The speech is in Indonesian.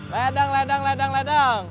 ledang ledang ledang ledang